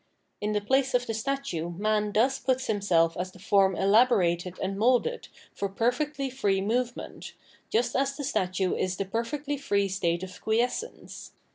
In the place of the statue man thus puts himself as the form elaborated and moulded for perfectly free movement, just as the statue is the perfectly free state of quiescence.